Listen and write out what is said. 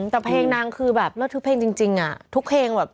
แต่เพลงนางคือแบบเลิศทุกเพลงจริงอ่ะทุกเพลงแบบ